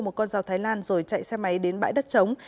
một con dao thái lan rồi chạy xe máy đến bãi đất chống